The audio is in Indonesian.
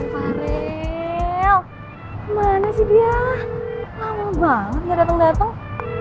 farel kemana sih dia lama banget gak dateng dateng